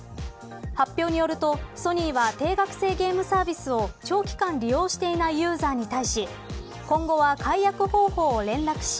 発表によるとソニーは定額制ゲームサービスを長期間利用していないユーザーに対し今後は解約方法を連絡し